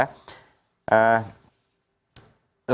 terus kemudian pelayanan di rumah sakit juga kita terus perbaiki di puskesmas